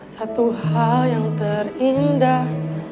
satu hal yang terindah